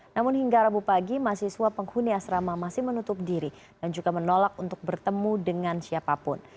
namun hingga rabu pagi mahasiswa penghuni asrama masih menutup diri dan juga menolak untuk bertemu dengan siapapun